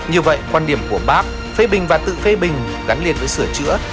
như vậy quan điểm của bác phê bình và tự phê bình gắn liệt với sửa chữa